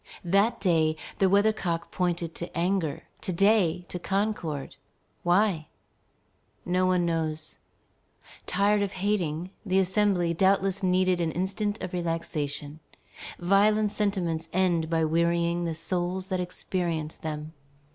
That day, the weather cock pointed to anger; to day to concord. Why? No one knows. Tired of hating, the Assembly doubtless needed an instant of relaxation. Violent sentiments end by wearying the souls that experience them.